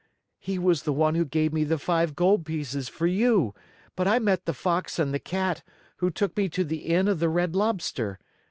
He was the one who gave me the five gold pieces for you, but I met the Fox and the Cat, who took me to the Inn of the Red Lobster.